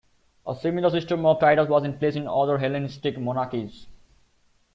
A similar system of titles was in place in other Hellenistic monarchies.